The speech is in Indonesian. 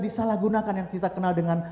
disalahgunakan yang kita kenal dengan